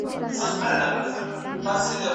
نو صنف ارام وي.